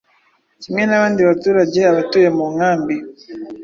Kimwe n’abandi baturage, abatuye mu nkambi